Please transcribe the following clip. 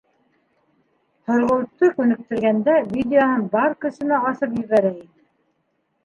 Һорғолтто күнектергәндә видеоһын бар көсөнә асып ебәрә ине.